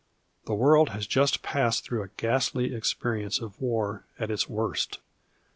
The world has just passed through a ghastly experience of war at its worst.